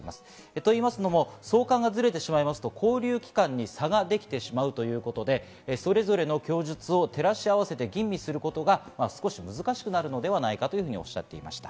というのも送還がズレてしまうと勾留期間に差ができてしまうということで、それぞれの供述を照らし合わせて吟味することが少し難しくなるのではないかと、おっしゃっていました。